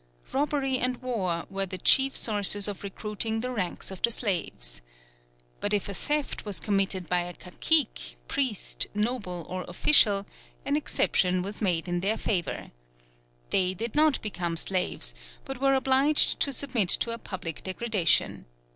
Robbery and war were the chief sources of recruiting the ranks of the slaves. But if a theft was committed by a cacique, priest, noble or official, an exception was made in their favour. They did not become slaves, but were obliged to submit to a public degradation.